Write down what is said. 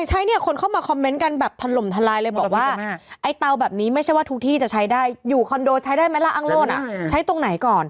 ใช้เนี่ยคนเข้ามาคอมเมนต์กันแบบถล่มทลายเลยบอกว่าไอ้เตาแบบนี้ไม่ใช่ว่าทุกที่จะใช้ได้อยู่คอนโดใช้ได้ไหมล่ะอ้างโลดใช้ตรงไหนก่อน